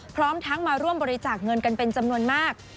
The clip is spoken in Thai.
พร้อมทั้งมาร่วมบริจาคเงินกันเป็นจำนวนมาก